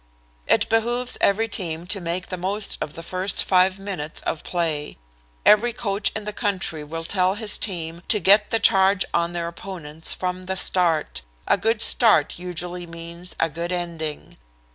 It behooves every team to make the most of the first five minutes of play. Every coach in the country will tell his team to get the charge on their opponents from the start. A good start usually means a good ending.